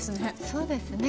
そうですね